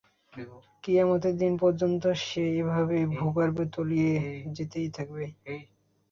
কিয়ামতের দিন পর্যন্ত সে এভাবে ভূগর্ভে তলিয়ে যেতেই থাকবে।